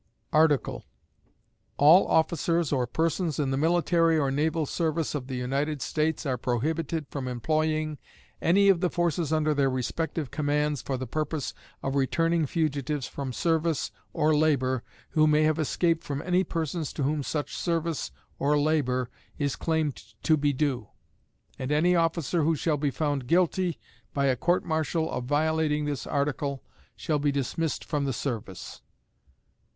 ARTICLE. All officers or persons in the military or naval service of the United States are prohibited from employing any of the forces under their respective commands for the purpose of returning fugitives from service or labor who may have escaped from any persons to whom such service or labor is claimed to be due, and any officer who shall be found guilty by a court martial of violating this article shall be dismissed from the service.